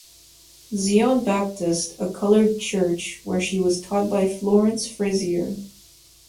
Zion Baptist, a colored church, where she was taught by Florence Frazier.